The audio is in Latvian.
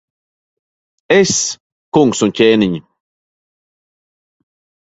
Es, kungs un ķēniņ!